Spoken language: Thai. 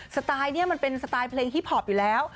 สไตล์นี้มันเป็นสไตล์เพลงฮิปพอปอยู่แล้ว